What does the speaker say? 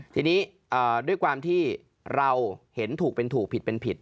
ทีนี้ด้วยความที่เราเห็นถูกเป็นถูกผิดเป็นผิด